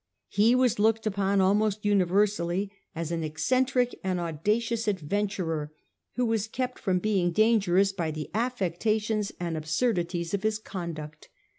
He was looked upon almost universally as an eccentric and audacious adventurer, who was kept from being dangerous by the affectations and absurdities of his conduct.